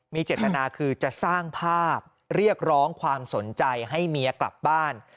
มีเจตนาคือจะสร้างภาพเรียกร้องความสนใจให้เมียกลับบ้าน